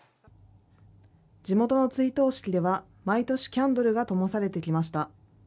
地元の追悼式では、毎年キャンドルがともされてきました。